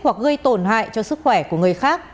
hoặc gây tổn hại cho sức khỏe của người khác